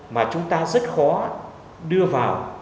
mà chúng ta rất khó đưa vào